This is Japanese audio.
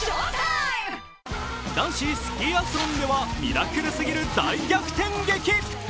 男子スキーアスロンではミラクルすぎる大逆転劇。